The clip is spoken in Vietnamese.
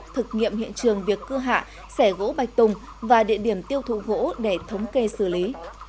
thực nghiệm hiện trường việc cưa hạ xẻ gỗ bạch tùng và địa điểm tiêu thụ gỗ để thống kê xử lý